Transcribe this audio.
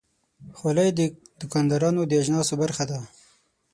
خولۍ د دوکاندار د اجناسو برخه ده.